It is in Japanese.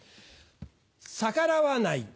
逆らわない。